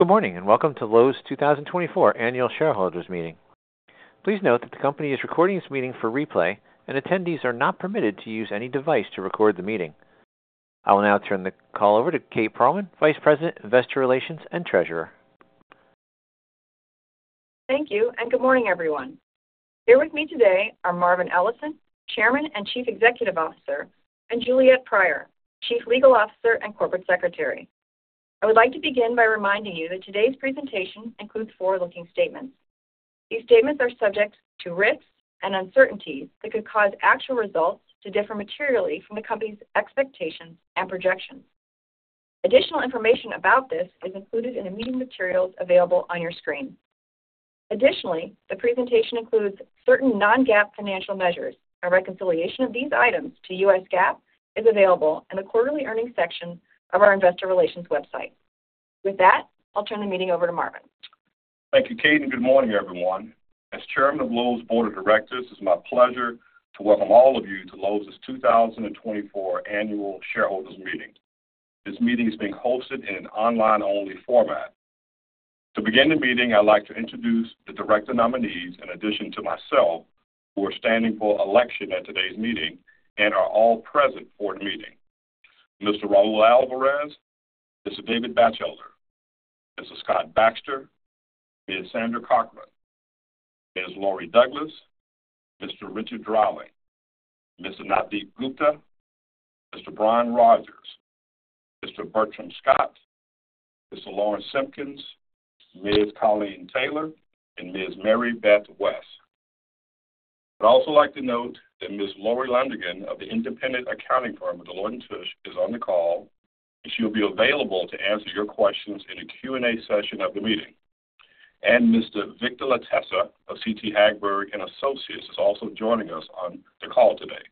Good morning, and welcome to Lowe's 2024 Annual Shareholders Meeting. Please note that the company is recording this meeting for replay, and attendees are not permitted to use any device to record the meeting. I will now turn the call over to Kate Pearlman, Vice President, Investor Relations and Treasurer. Thank you, and good morning, everyone. Here with me today are Marvin Ellison, Chairman and Chief Executive Officer, and Juliette Pryor, Chief Legal Officer and Corporate Secretary. I would like to begin by reminding you that today's presentation includes forward-looking statements. These statements are subject to risks and uncertainties that could cause actual results to differ materially from the company's expectations and projections. Additional information about this is included in the meeting materials available on your screen. Additionally, the presentation includes certain non-GAAP financial measures. A reconciliation of these items to U.S. GAAP is available in the quarterly earnings section of our investor relations website. With that, I'll turn the meeting over to Marvin. Thank you, Kate, and good morning, everyone. As Chairman of Lowe's Board of Directors, it's my pleasure to welcome all of you to Lowe's 2024 Annual Shareholders Meeting. This meeting is being hosted in an online-only format. To begin the meeting, I'd like to introduce the director nominees, in addition to myself, who are standing for election at today's meeting and are all present for the meeting. Mr. Raul Alvarez, Mr. David Batchelder, Mr. Scott Baxter, Ms. Sandra Cochran, Ms. Laurie Douglas, Mr. Richard Dreiling, Mr. Navdeep Gupta, Mr. Brian Rogers, Mr. Bertram Scott, Mr. Lawrence Simkins, Ms. Colleen Taylor, and Ms. Mary Beth West. I'd also like to note that Ms. Lori Landegan of the independent accounting firm of Deloitte & Touche is on the call, and she'll be available to answer your questions in the Q&A session of the meeting. And Mr. Victor LaTessa of CT Hagberg & Associates is also joining us on the call today.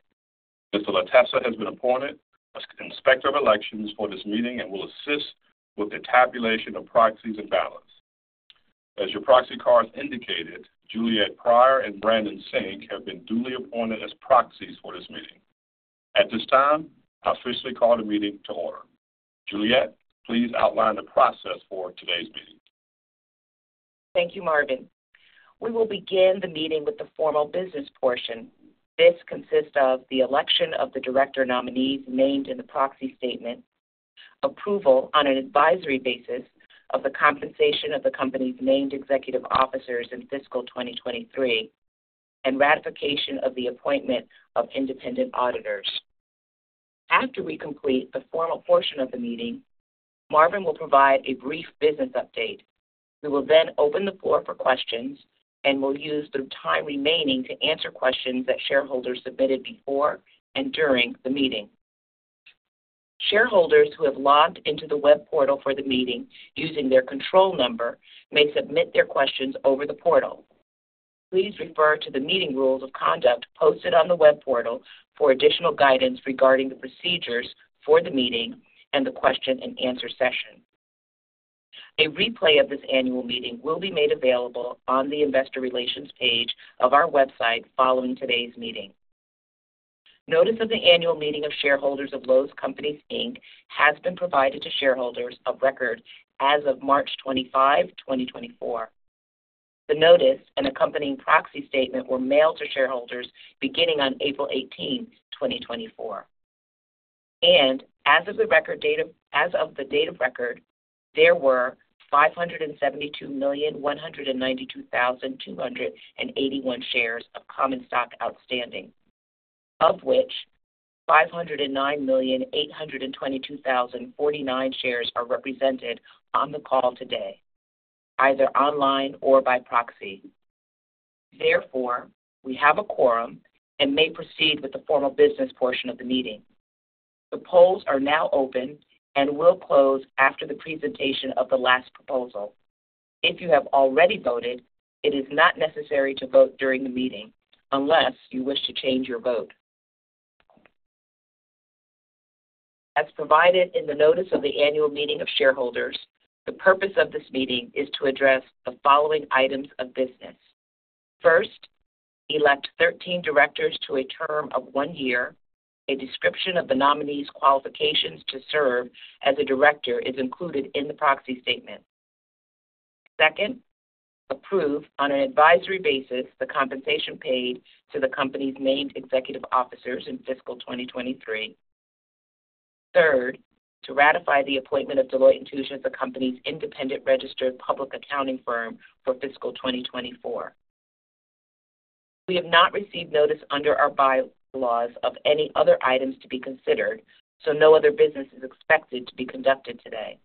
Mr. Latessa has been appointed as Inspector of Elections for this meeting and will assist with the tabulation of proxies and ballots. As your proxy cards indicated, Juliette Pryor and Brandon Sink have been duly appointed as proxies for this meeting. At this time, I officially call the meeting to order. Juliette, please outline the process for today's meeting. Thank you, Marvin. We will begin the meeting with the formal business portion. This consists of the election of the director nominees named in the proxy statement, approval on an advisory basis of the compensation of the company's named executive officers in fiscal 2023, and ratification of the appointment of independent auditors. After we complete the formal portion of the meeting, Marvin will provide a brief business update. We will then open the floor for questions and will use the time remaining to answer questions that shareholders submitted before and during the meeting. Shareholders who have logged into the web portal for the meeting using their control number may submit their questions over the portal. Please refer to the Meeting Rules of Conduct posted on the web portal for additional guidance regarding the procedures for the meeting and the question and answer session. A replay of this annual meeting will be made available on the Investor Relations page of our website following today's meeting. Notice of the annual meeting of shareholders of Lowe's Companies, Inc. has been provided to shareholders of record as of March 25, 2024. The notice and accompanying proxy statement were mailed to shareholders beginning on April 18, 2024. As of the date of record, there were 572,192,281 shares of common stock outstanding, of which 509,822,049 shares are represented on the call today, either online or by proxy. Therefore, we have a quorum and may proceed with the formal business portion of the meeting. The polls are now open and will close after the presentation of the last proposal. If you have already voted, it is not necessary to vote during the meeting unless you wish to change your vote. As provided in the notice of the annual meeting of shareholders, the purpose of this meeting is to address the following items of business. First, elect 13 directors to a term of one year. A description of the nominees' qualifications to serve as a director is included in the proxy statement. Second, approve, on an advisory basis, the compensation paid to the company's named executive officers in fiscal 2023. Third, to ratify the appointment of Deloitte & Touche as the company's independent registered public accounting firm for fiscal 2024. We have not received notice under our bylaws of any other items to be considered, so no other business is expected to be conducted today.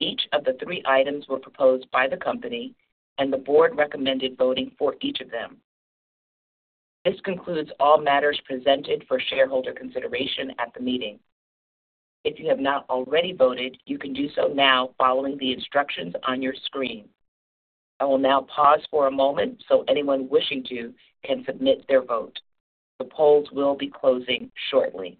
Each of the three items were proposed by the company, and the board recommended voting for each of them. This concludes all matters presented for shareholder consideration at the meeting. If you have not already voted, you can do so now, following the instructions on your screen. I will now pause for a moment so anyone wishing to can submit their vote. The polls will be closing shortly. ...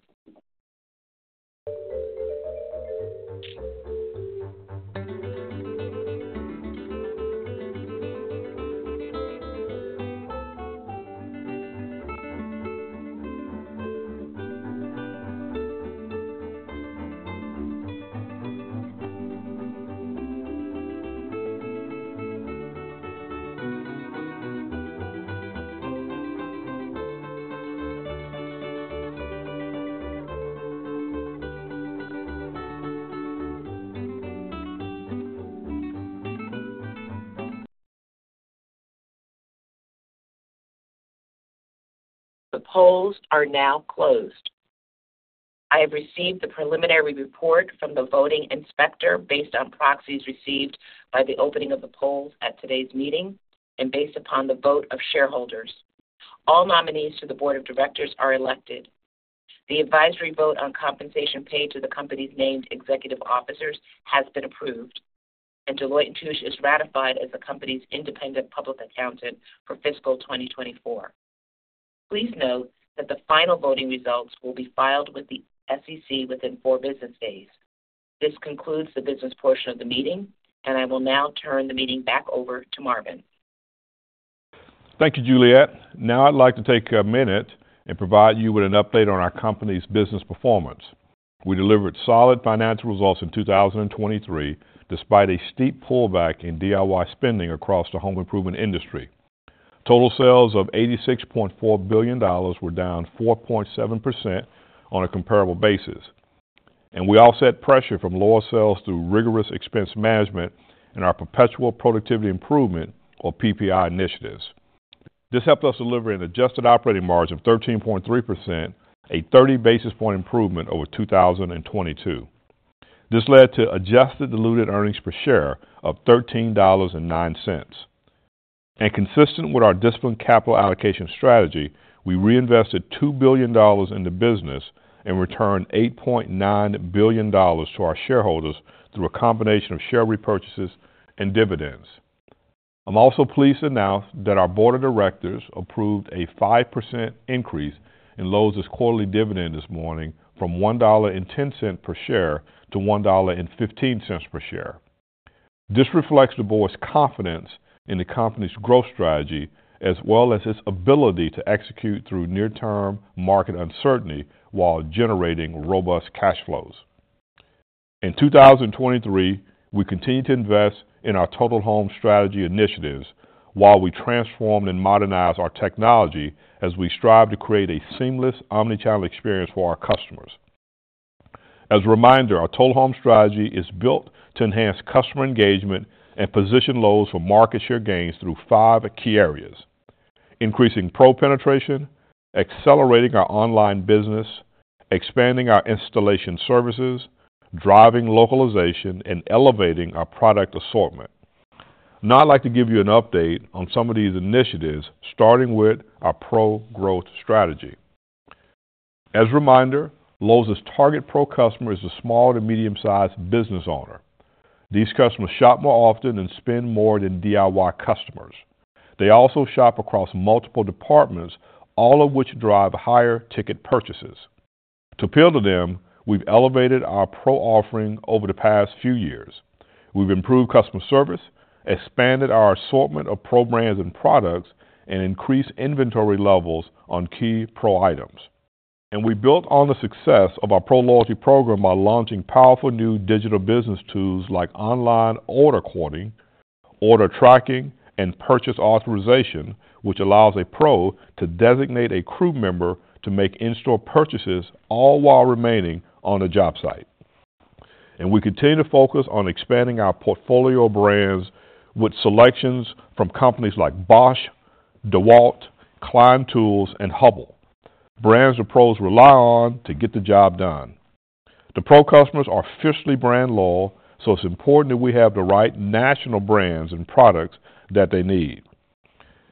The polls are now closed. I have received the preliminary report from the voting inspector based on proxies received by the opening of the polls at today's meeting, and based upon the vote of shareholders. All nominees to the board of directors are elected. The advisory vote on compensation paid to the company's named executive officers has been approved, and Deloitte & Touche is ratified as the company's independent public accountant for fiscal 2024. Please note that the final voting results will be filed with the SEC within four business days. This concludes the business portion of the meeting, and I will now turn the meeting back over to Marvin. Thank you, Juliette. Now I'd like to take a minute and provide you with an update on our company's business performance. We delivered solid financial results in 2023, despite a steep pullback in DIY spending across the home improvement industry. Total sales of $86.4 billion were down 4.7% on a comparable basis, and we offset pressure from lower sales through rigorous expense management and our perpetual productivity improvement, or PPI initiatives. This helped us deliver an adjusted operating margin of 13.3%, a 30 basis point improvement over 2022. This led to adjusted diluted earnings per share of $13.09. Consistent with our disciplined capital allocation strategy, we reinvested $2 billion in the business and returned $8.9 billion to our shareholders through a combination of share repurchases and dividends. I'm also pleased to announce that our board of directors approved a 5% increase in Lowe's quarterly dividend this morning from $1.10 per share to $1.15 per share. This reflects the board's confidence in the company's growth strategy, as well as its ability to execute through near-term market uncertainty while generating robust cash flows. In 2023, we continued to invest in our Total Home Strategy initiatives while we transformed and modernized our technology as we strive to create a seamless omnichannel experience for our customers. As a reminder, our Total Home Strategy is built to enhance customer engagement and position Lowe's for market share gains through five key areas: increasing Pro penetration, accelerating our online business, expanding our installation services, driving localization, and elevating our product assortment. Now, I'd like to give you an update on some of these initiatives, starting with our Pro growth strategy. As a reminder, Lowe's target Pro customer is the small to medium-sized business owner. These customers shop more often and spend more than DIY customers. They also shop across multiple departments, all of which drive higher ticket purchases. To appeal to them, we've elevated our Pro offering over the past few years. We've improved customer service, expanded our assortment of Pro brands and products, and increased inventory levels on key Pro items. We built on the success of our Pro loyalty program by launching powerful new digital business tools like online order quoting, order tracking, and purchase authorization, which allows a Pro to designate a crew member to make in-store purchases, all while remaining on a job site. We continue to focus on expanding our portfolio of brands with selections from companies like Bosch, DEWALT, Klein Tools, and Hubbell, brands that Pros rely on to get the job done. The Pro customers are fiercely brand loyal, so it's important that we have the right national brands and products that they need.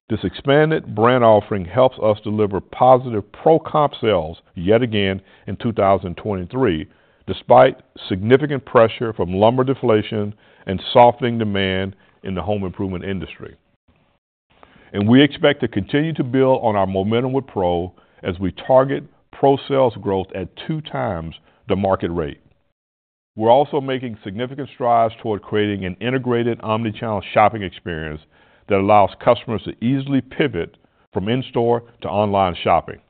This expanded brand offering helps us deliver positive Pro comp sales yet again in 2023, despite significant pressure from lumber deflation and softening demand in the home improvement industry. We expect to continue to build on our momentum with Pro as we target Pro sales growth at 2x the market rate. We're also making significant strides toward creating an integrated, omnichannel shopping experience that allows customers to easily pivot from in-store to online shopping.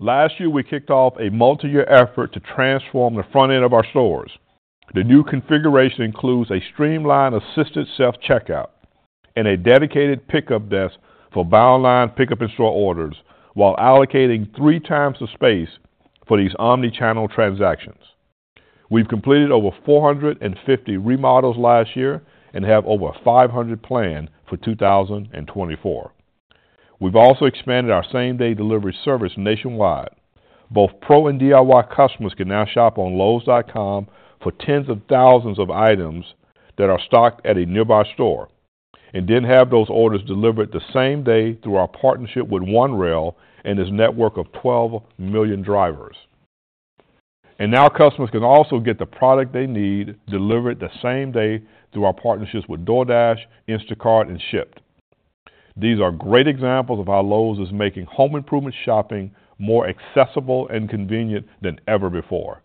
Last year, we kicked off a multi-year effort to transform the front end of our stores. The new configuration includes a streamlined, assisted self-checkout and a dedicated pickup desk for buy online, pickup in-store orders, while allocating 3x the space for these omnichannel transactions. We've completed over 450 remodels last year and have over 500 planned for 2024. We've also expanded our same-day delivery service nationwide. Both Pro and DIY customers can now shop on lowes.com for tens of thousands of items that are stocked at a nearby store and then have those orders delivered the same day through our partnership with OneRail and its network of 12 million drivers. Now customers can also get the product they need delivered the same day through our partnerships with DoorDash, Instacart, and Shipt. These are great examples of how Lowe's is making home improvement shopping more accessible and convenient than ever before....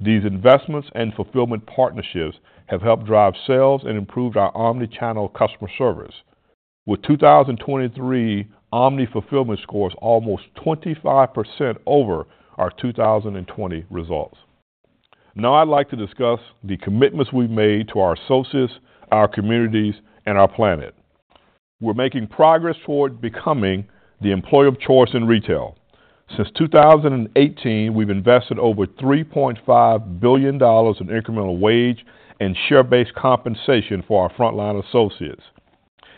These investments and fulfillment partnerships have helped drive sales and improved our omni-channel customer service, with 2023 omni-fulfillment scores almost 25% over our 2020 results. Now, I'd like to discuss the commitments we've made to our associates, our communities, and our planet. We're making progress toward becoming the employer of choice in retail. Since 2018, we've invested over $3.5 billion in incremental wage and share-based compensation for our frontline associates.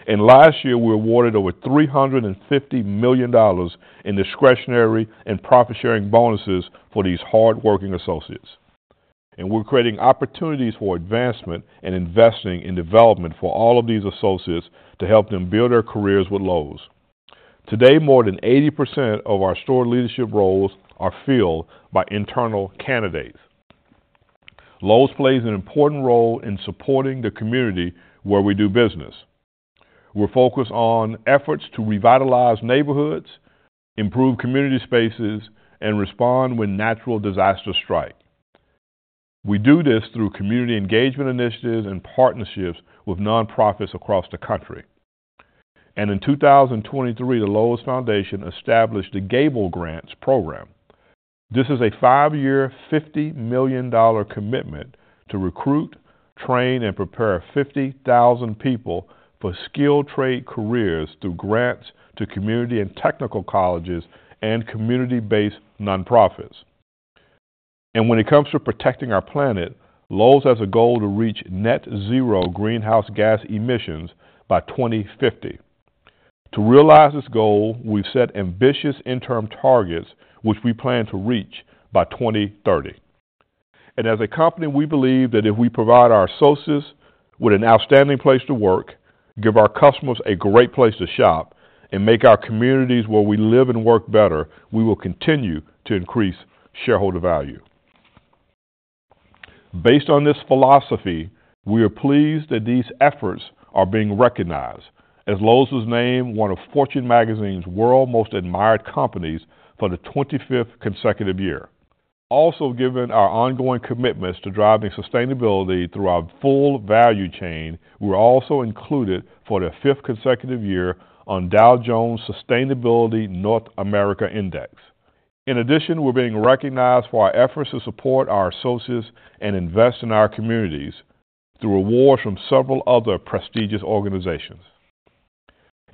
Last year, we awarded over $350 million in discretionary and profit-sharing bonuses for these hardworking associates. We're creating opportunities for advancement and investing in development for all of these associates to help them build their careers with Lowe's. Today, more than 80% of our store leadership roles are filled by internal candidates. Lowe's plays an important role in supporting the community where we do business. We're focused on efforts to revitalize neighborhoods, improve community spaces, and respond when natural disasters strike. We do this through community engagement initiatives and partnerships with nonprofits across the country. In 2023, the Lowe's Foundation established the Gable Grants program. This is a five-year, $50 million commitment to recruit, train, and prepare 50,000 people for skilled trade careers through grants to community and technical colleges and community-based nonprofits. When it comes to protecting our planet, Lowe's has a goal to reach net zero greenhouse gas emissions by 2050. To realize this goal, we've set ambitious interim targets, which we plan to reach by 2030. As a company, we believe that if we provide our associates with an outstanding place to work, give our customers a great place to shop, and make our communities where we live and work better, we will continue to increase shareholder value. Based on this philosophy, we are pleased that these efforts are being recognized, as Lowe's was named one of Fortune's World's Most Admired Companies for the 25th consecutive year. Also, given our ongoing commitments to driving sustainability through our full value chain, we're also included for the fifth consecutive year on Dow Jones Sustainability North America Index. In addition, we're being recognized for our efforts to support our associates and invest in our communities through awards from several other prestigious organizations.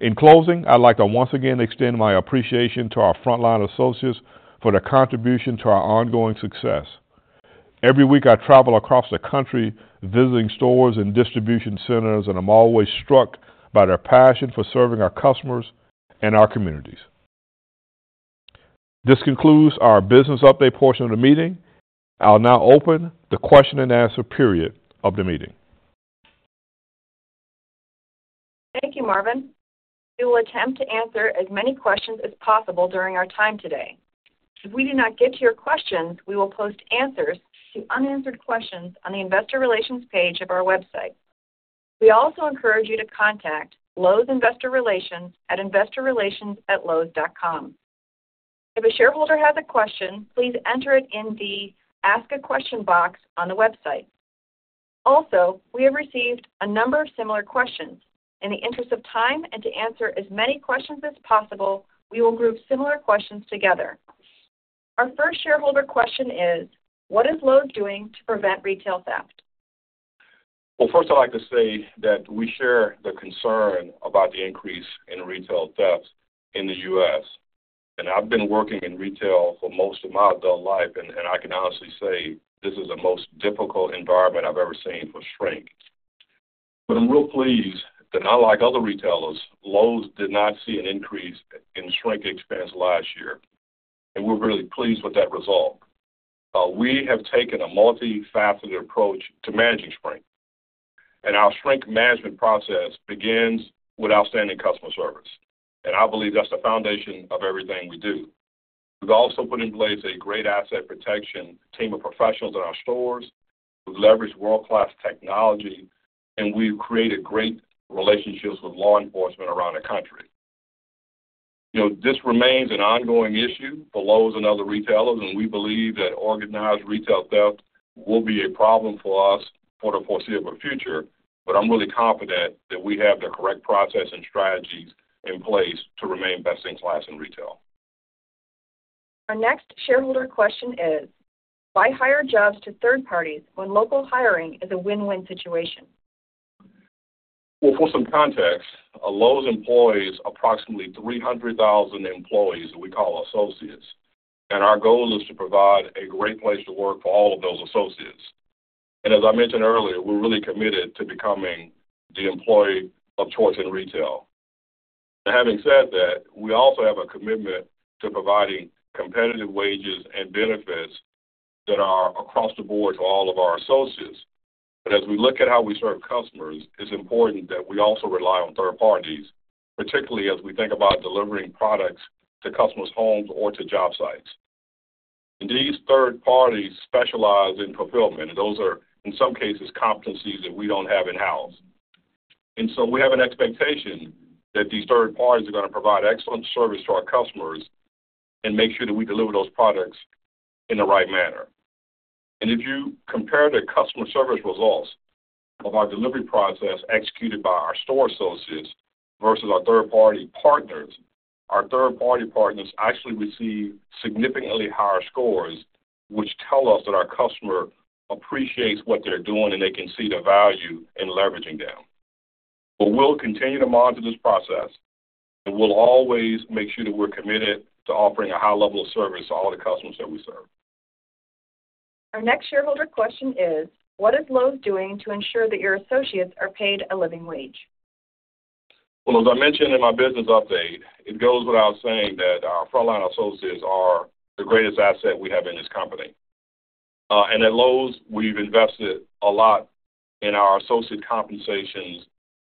In closing, I'd like to once again extend my appreciation to our frontline associates for their contribution to our ongoing success. Every week, I travel across the country, visiting stores and distribution centers, and I'm always struck by their passion for serving our customers and our communities. This concludes our business update portion of the meeting. I'll now open the question and answer period of the meeting. Thank you, Marvin. We will attempt to answer as many questions as possible during our time today. If we do not get to your questions, we will post answers to unanswered questions on the Investor Relations page of our website. We also encourage you to contact Lowe's Investor Relations at investorrelations@lowes.com. If a shareholder has a question, please enter it in the Ask a Question box on the website. Also, we have received a number of similar questions. In the interest of time and to answer as many questions as possible, we will group similar questions together. Our first shareholder question is: What is Lowe's doing to prevent retail theft? Well, first, I'd like to say that we share the concern about the increase in retail theft in the U.S. I've been working in retail for most of my adult life, and I can honestly say this is the most difficult environment I've ever seen for shrink. I'm real pleased that, unlike other retailers, Lowe's did not see an increase in shrink expense last year, and we're really pleased with that result. We have taken a multifaceted approach to managing shrink, and our shrink management process begins with outstanding customer service, and I believe that's the foundation of everything we do. We've also put in place a great asset protection team of professionals in our stores. We've leveraged world-class technology, and we've created great relationships with law enforcement around the country. You know, this remains an ongoing issue for Lowe's and other retailers, and we believe that organized retail theft will be a problem for us for the foreseeable future, but I'm really confident that we have the correct process and strategies in place to remain best-in-class in retail. Our next shareholder question is: Why hire jobs to third parties when local hiring is a win-win situation? Well, for some context, Lowe's employs approximately 300,000 employees, who we call associates, and our goal is to provide a great place to work for all of those associates. As I mentioned earlier, we're really committed to becoming the employee of choice in retail. Having said that, we also have a commitment to providing competitive wages and benefits that are across the board to all of our associates. But as we look at how we serve customers, it's important that we also rely on third parties, particularly as we think about delivering products to customers' homes or to job sites. And these third parties specialize in fulfillment, and those are, in some cases, competencies that we don't have in-house. And so we have an expectation that these third parties are going to provide excellent service to our customers and make sure that we deliver those products in the right manner. And if you compare the customer service results of our delivery process executed by our store associates versus our third-party partners, our third-party partners actually receive significantly higher scores, which tell us that our customer appreciates what they're doing, and they can see the value in leveraging them. But we'll continue to monitor this process, and we'll always make sure that we're committed to offering a high level of service to all the customers that we serve. Our next shareholder question is: What is Lowe's doing to ensure that your associates are paid a living wage? Well, as I mentioned in my business update, it goes without saying that our frontline associates are the greatest asset we have in this company. And at Lowe's, we've invested a lot in our associate compensations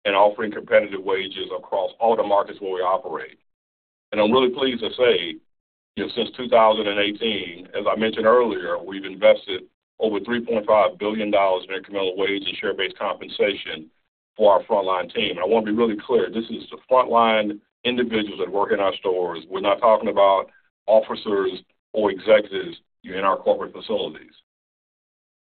and offering competitive wages across all the markets where we operate. And I'm really pleased to say, you know, since 2018, as I mentioned earlier, we've invested over $3.5 billion in incremental wage and share-based compensation for our frontline team. I want to be really clear. This is the frontline individuals that work in our stores. We're not talking about officers or executives in our corporate facilities.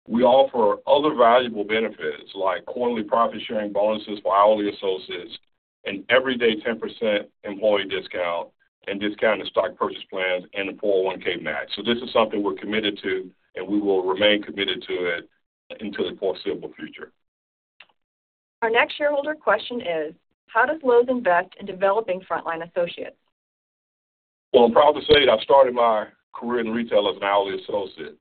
We offer other valuable benefits, like quarterly profit-sharing bonuses for all the associates, an everyday 10% employee discount, and discounted stock purchase plans and a 401 match. NThis is something we're committed to, and we will remain committed to it into the foreseeable future. Our next shareholder question is: How does Lowe's invest in developing Frontline associates? Well, I'm proud to say that I started my career in retail as an hourly associate,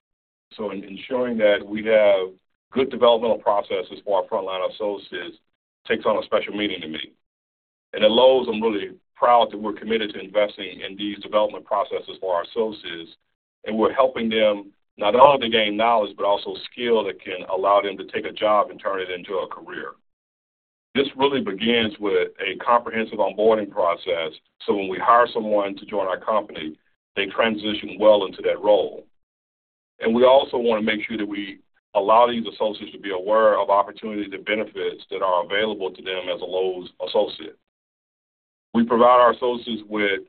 so in ensuring that we have good developmental processes for our frontline associates takes on a special meaning to me. And at Lowe's, I'm really proud that we're committed to investing in these development processes for our associates, and we're helping them not only to gain knowledge, but also skill that can allow them to take a job and turn it into a career. This really begins with a comprehensive onboarding process, so when we hire someone to join our company, they transition well into that role. And we also want to make sure that we allow these associates to be aware of opportunities and benefits that are available to them as a Lowe's associate. We provide our associates with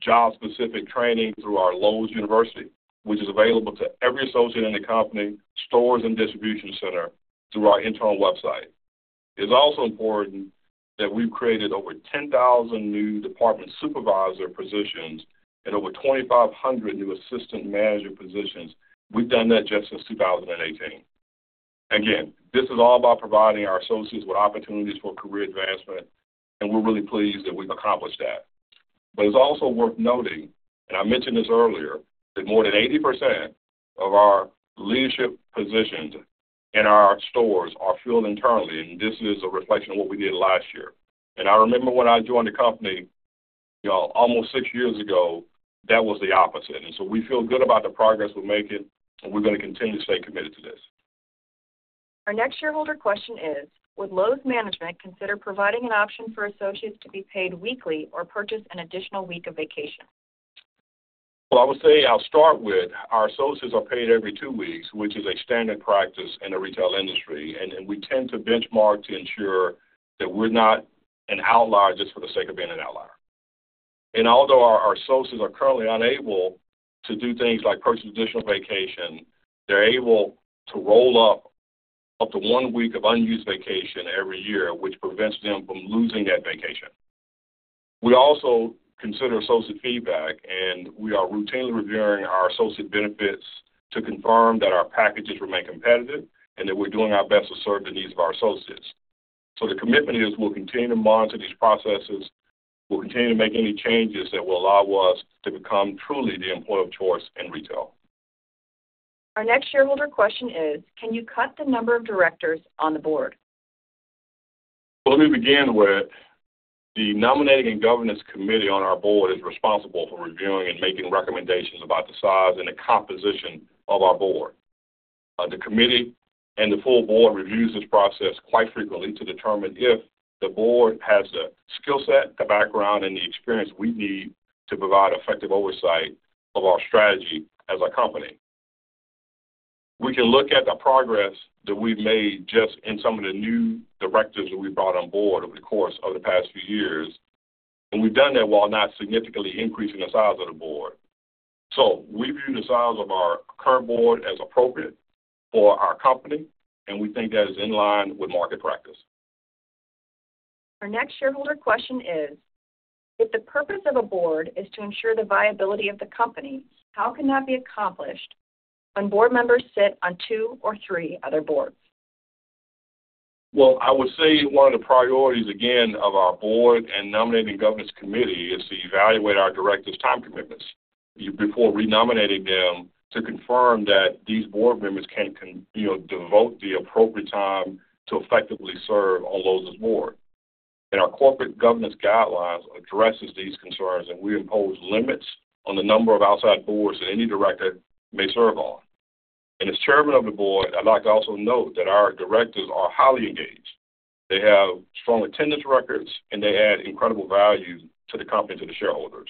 job-specific training through our Lowe's University, which is available to every associate in the company, stores, and distribution center through our internal website. It's also important that we've created over 10,000 new department supervisor positions and over 2,500 new assistant manager positions. We've done that just since 2018. Again, this is all about providing our associates with opportunities for career advancement, and we're really pleased that we've accomplished that. But it's also worth noting, and I mentioned this earlier, that more than 80% of our leadership positions in our stores are filled internally, and this is a reflection of what we did last year. And I remember when I joined the company, you know, almost six years ago, that was the opposite. We feel good about the progress we're making, and we're going to continue to stay committed to this. Our next shareholder question is: Would Lowe's management consider providing an option for associates to be paid weekly or purchase an additional week of vacation? Well, I would say I'll start with our associates are paid every two weeks, which is a standard practice in the retail industry, and we tend to benchmark to ensure that we're not an outlier just for the sake of being an outlier. Although our associates are currently unable to do things like purchase additional vacation, they're able to roll up to one week of unused vacation every year, which prevents them from losing that vacation. We also consider associate feedback, and we are routinely reviewing our associate benefits to confirm that our packages remain competitive and that we're doing our best to serve the needs of our associates. The commitment is we'll continue to monitor these processes. We'll continue to make any changes that will allow us to become truly the employer of choice in retail. Our next shareholder question is: Can you cut the number of directors on the board? Let me begin with the Nominating and Governance Committee on our board is responsible for reviewing and making recommendations about the size and the composition of our board. The committee and the full board reviews this process quite frequently to determine if the board has the skill set, the background, and the experience we need to provide effective oversight of our strategy as a company. We can look at the progress that we've made just in some of the new directors that we brought on board over the course of the past few years, and we've done that while not significantly increasing the size of the board. So we view the size of our current board as appropriate for our company, and we think that is in line with market practice. Our next shareholder question is: if the purpose of a board is to ensure the viability of the company, how can that be accomplished when board members sit on two or three other boards? Well, I would say one of the priorities, again, of our board and Nominating and Governance Committee is to evaluate our directors' time commitments before renominating them to confirm that these board members can, you know, devote the appropriate time to effectively serve on Lowe's board. Our corporate governance guidelines address these concerns, and we impose limits on the number of outside boards that any director may serve on. As Chairman of the board, I'd like to also note that our directors are highly engaged. They have strong attendance records, and they add incredible value to the company, to the shareholders.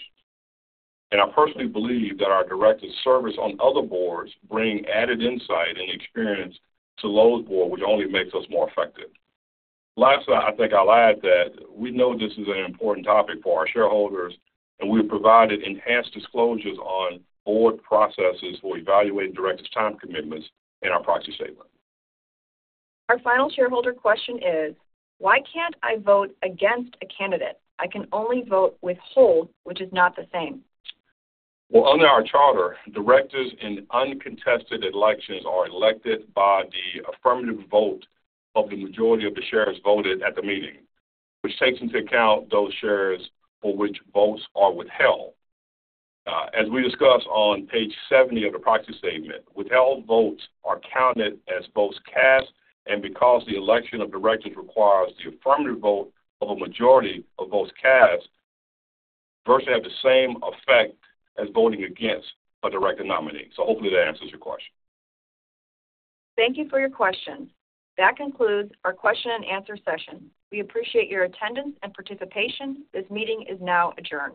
I personally believe that our directors' service on other boards brings added insight and experience to Lowe's board, which only makes us more effective. Last, I think I'll add that we know this is an important topic for our shareholders, and we've provided enhanced disclosures on board processes for evaluating directors' time commitments in our proxy statement. Our final shareholder question is: why can't I vote against a candidate? I can only vote withhold, which is not the same. Well, under our charter, directors in uncontested elections are elected by the affirmative vote of the majority of the shares voted at the meeting, which takes into account those shares for which votes are withheld. As we discuss on page 70 of the proxy statement, withheld votes are counted as votes cast, and because the election of directors requires the affirmative vote of a majority of votes cast, they have the same effect as voting against a director nominee. So hopefully that answers your question. Thank you for your question. That concludes our question and answer session. We appreciate your attendance and participation. This meeting is now adjourned.